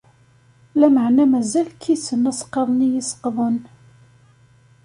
Lameɛna mazal kkisen asqaḍ-nni i seqḍen.